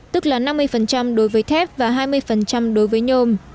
tức là năm mươi đối với thép và hai mươi đối với nhôm